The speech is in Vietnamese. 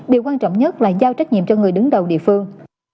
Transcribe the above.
điều quan trọng nhất là giao trách nhiệm cho người đứng đầu địa phương